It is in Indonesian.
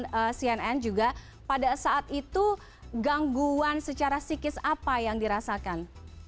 mas yen en juga pada saat itu gangguan secara psikis apa yang dirasakan